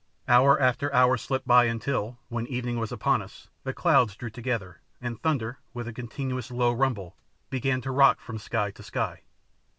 Hour after hour slipped by until, when evening was upon us, the clouds drew together, and thunder, with a continuous low rumble, began to rock from sky to sky.